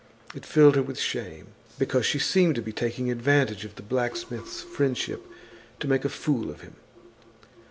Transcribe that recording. It filled her with shame, because she seemed to be taking advantage of the blacksmith's friendship to make a fool of him.